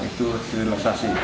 itu di relaksasi